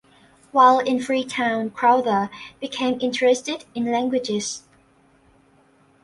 While in Freetown, Crowther became interested in languages.